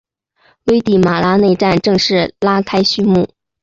危地马拉内战正式拉开序幕。